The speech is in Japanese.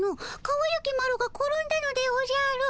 かわゆきマロが転んだのでおじゃる。